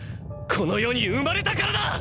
この世に生まれたからだ！